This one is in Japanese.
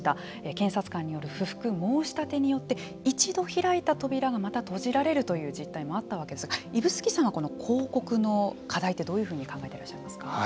検察官による不服申し立てによって一度開いた扉がまた閉じられるという実態もあったわけですが指宿さんはこの抗告の課題ってどういうふうに考えていらっしゃいますか。